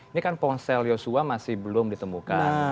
ini kan ponsel yosua masih belum ditemukan